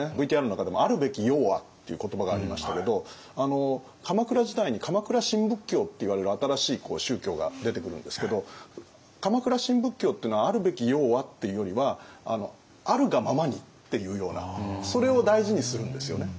ＶＴＲの中でも「あるべきようは」っていう言葉がありましたけど鎌倉時代に鎌倉新仏教っていわれる新しい宗教が出てくるんですけど鎌倉新仏教っていうのは「あるべきようは」っていうよりは「あるがままに」っていうようなそれを大事にするんですよね。